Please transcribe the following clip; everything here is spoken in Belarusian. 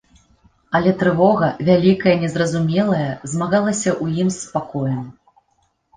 Але трывога, вялікая, незразумелая, змагалася ў ім з спакоем.